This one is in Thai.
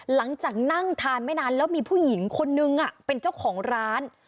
หลังจากนั่งทานไม่นานแล้วมีผู้หญิงคนนึงเป็นเจ้าของร้าน